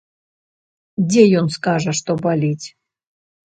Дзе ён скажа, што баліць.